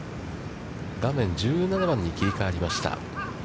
画面は１７番に切りかわりました。